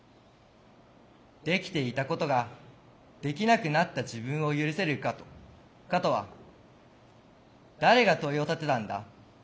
「できていたことができなくなった自分を許せるか」とは誰が問いを立てたんだ。